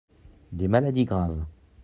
Des maladies graves.